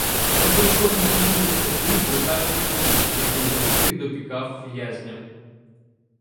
То прийшов на зміну рудий брутальний комуніст, який завжди допікав в'язням.